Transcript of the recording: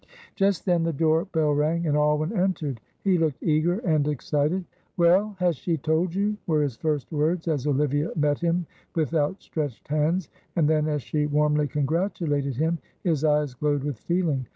Just then the door bell rang, and Alwyn entered; he looked eager and excited. "Well, has she told you?" were his first words, as Olivia met him with outstretched hands; and then, as she warmly congratulated him, his eyes glowed with feeling.